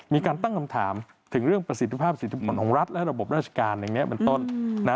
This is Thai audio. มีการตั้งคำถามถึงเรื่องประสิทธิภาพสิทธิผลของรัฐและระบบราชการอย่างนี้เป็นต้น